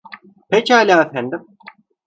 Pekâlâ efendim.